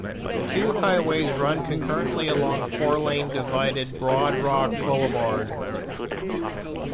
The two highways run concurrently along four-lane divided Broad Rock Boulevard.